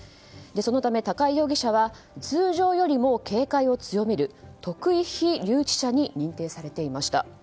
そのため、高井容疑者は通常よりも警戒を強める特異被留置者に認定されていました。